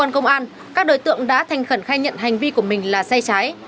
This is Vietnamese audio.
các đối tượng đã thành khẩn khai nhận hành vi của mình là xe cháy